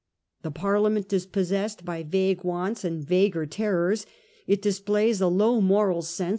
The Parliament is possessed by vague wants and vaguer terrors ; it displays a low moral sense vii Preface.